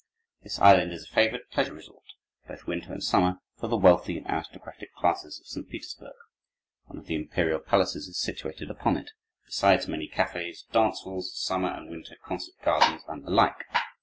This island is a favorite pleasure resort, both winter and summer, for the wealthy and aristocratic classes of St. Petersburg; one of the imperial palaces is situated upon it, besides many cafés, dance halls, summer and winter concert gardens, and the like.